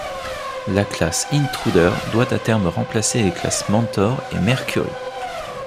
La classe Intruder doit à terme remplacer les classes Mentor et Mercury.